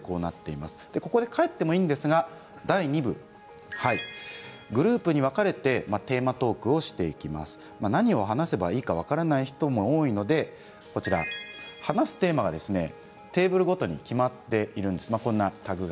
ここで帰ってもいいんですが第２部はグループに分かれてテーマトーク何を話せばいいのか分からない人も多いので話すテーマがテーブルごとに決まっているんです。